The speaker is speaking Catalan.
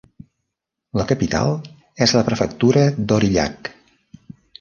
La capital és la prefectura d'Aurillac.